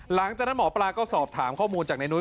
หลังจากนั้นหมอปลาก็สอบถามข้อมูลจากในนุ้ย